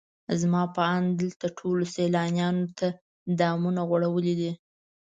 زما په اند دلته ټولو سیلانیانو ته دامونه غوړولي دي.